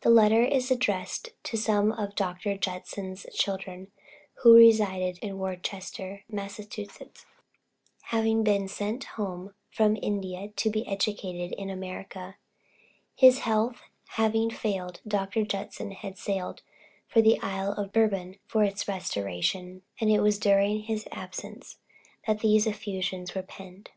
The letter is addressed to some of Dr. Judson's children, who resided in Worcester, Massachusetts, having been sent home from India to be educated in America. His health having failed, Dr. J. had sailed for the Isle of Bourbon for its restoration, and it was during his absence that these effusions were penned.